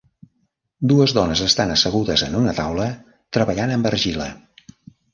Dues dones estan assegudes en una taula treballant amb argila.